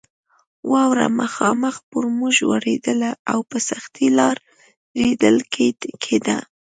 واوره مخامخ پر موږ ورېدله او په سختۍ لار لیدل کېده.